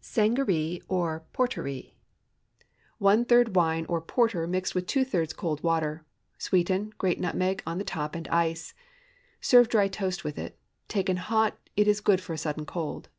SANGAREE OR PORTEREE. One third wine or porter mixed with two thirds cold water. Sweeten, grate nutmeg on the top, and ice. Serve dry toast with it. Taken hot, it is good for a sudden cold.